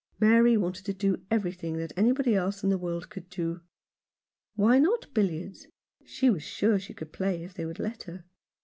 Mary wanted to do every thing that anybody else in the world could do. Why not billiards ? She was sure she could play if they would let her.